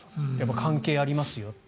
関係ありますよと。